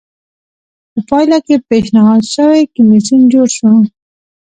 په پایله کې پېشنهاد شوی کمېسیون جوړ شو